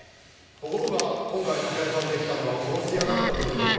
ところが今回派遣されてきたのは殺し屋だったという事か。